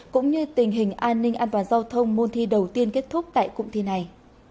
cũng như tình hình an ninh an toàn giao thông môn thi đầu tiên kết thúc tại cụm thi này